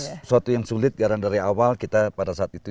sesuatu yang sulit karena dari awal kita pada saat itu